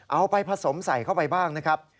เอาไปผสมใส่เข้าไปบ้างนะครับ